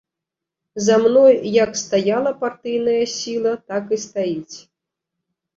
За мной як стаяла партыйная сіла, так і стаіць.